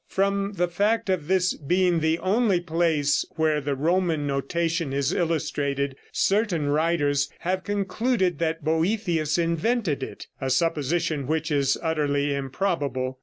From the fact of this being the only place where the Roman notation is illustrated, certain writers have concluded that Boethius invented it a supposition which is utterly improbable.